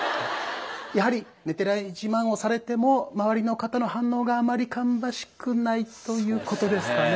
やはり寝てない自慢をされても周りの方の反応があまり芳しくないということですかね。